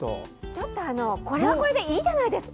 ちょっとこれはこれでいいじゃないですか。